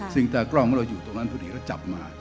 สิ่งตากล้องที่เราอยู่ตรงนั้นพอดีก็จะจับมา